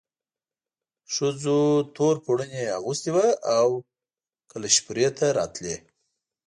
ښځو تور پوړوني اغوستي وو او کلشپورې ته راتلې.